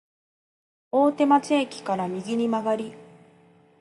大手町駅から右に曲がり、